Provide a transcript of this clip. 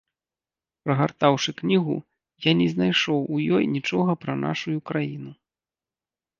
Прагартаўшы кнігу, я не знайшоў у ёй нічога пра нашую краіну.